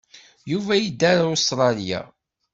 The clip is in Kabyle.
Yuba yedda ar Ustṛalya.